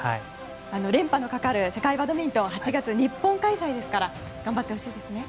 連覇のかかる世界バドミントン８月、日本開催ですから頑張ってほしいですね。